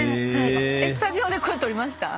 スタジオでこれ撮りました？